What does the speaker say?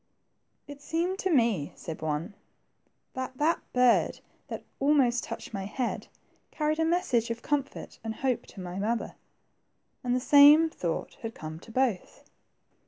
^^It seemed to me," said one, that that bird that almost touched my head, carried a message of com fort and hope to my mother." And the same thought had come to both.